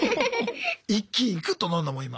一気にグッと飲んだもん今。